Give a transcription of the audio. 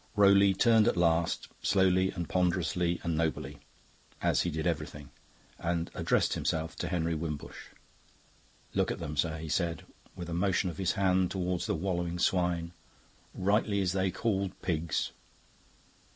Rowley turned at last, slowly and ponderously and nobly, as he did everything, and addressed himself to Henry Wimbush. "Look at them, sir," he said, with a motion of his hand towards the wallowing swine. "Rightly is they called pigs."